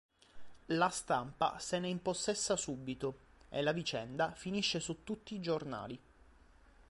La stampa se ne impossessa subito e la vicenda finisce su tutti i giornali.